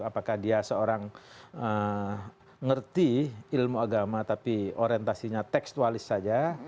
apakah dia seorang ngerti ilmu agama tapi orientasinya tekstualis saja